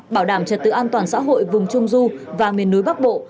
bảo đảm trật tự an toàn xã hội vùng trung du và miền núi bắc bộ